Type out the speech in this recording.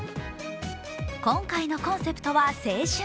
今回のコンセプトは「青春」。